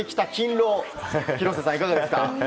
廣瀬さん、いかがですか。